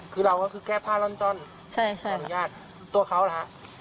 คือเราก็คือแก้ผ้าล่อนจ่อนขออนุญาตตัวเค้าล่ะครับ